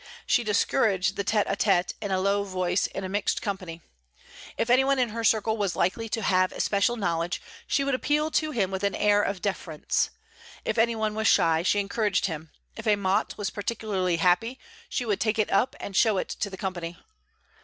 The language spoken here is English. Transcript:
She discouraged the tête à tête in a low voice in a mixed company; if any one in her circle was likely to have especial knowledge, she would appeal to him with an air of deference; if any one was shy, she encouraged him; if a mot was particularly happy, she would take it up and show it to the company.